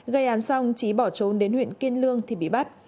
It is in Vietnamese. gây án xong trí bỏ trốn đến huyện kiên lương thì bị bắt